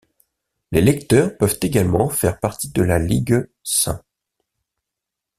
Les lecteurs peuvent également faire partie de la Ligue St.